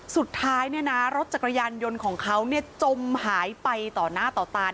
สุดท้ายรถจักรยานยนต์ของเขาจมหายไปต่อหน้าต่อตา